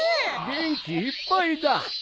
元気いっぱいだ。